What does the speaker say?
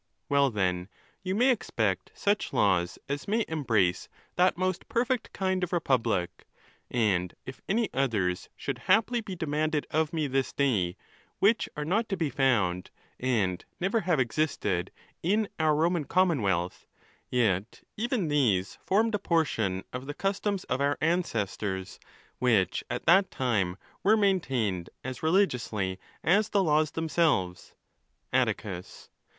—Well, then, you may expect such laws as may embrace that most perfect kind of republic. And if any others should haply be demanded of me this day, which are not 'to be found, and never have existed, in our Roman Com monwealth, yet even these formed a portion of the customs of our ancestors, which at that time were maintained as reli giously as the laws themselves. |:~ Attieus.